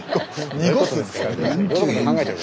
濁すんですか。